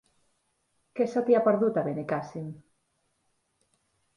Què se t'hi ha perdut, a Benicàssim?